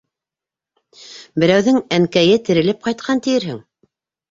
Берәүҙең әнкәйе терелеп ҡайтҡан тиерһең!